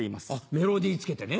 メロディーつけてね。